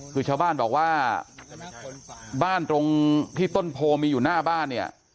คือชาวบ้านบอกว่าบ้านตรงที่ต้นโพมีอยู่หน้าบ้านเนี่ย